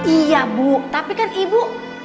iya bu tapi kan ibu